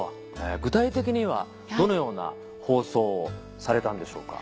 具体的にはどのような放送をされたんでしょうか？